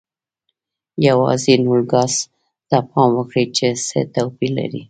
یوازې نوګالس ته پام وکړئ چې څه توپیر لري.